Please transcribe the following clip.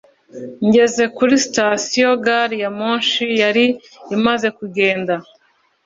ngeze kuri sitasiyo, gari ya moshi yari imaze kugenda